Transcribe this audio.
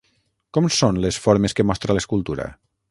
Com són les formes que mostra l'escultura?